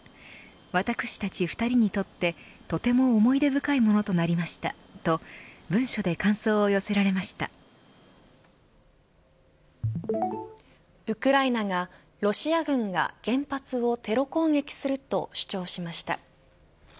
私たち二人にとってとても思い出深いものとなりましたとウクライナがロシア軍が原発をテロ攻撃すると主張しました。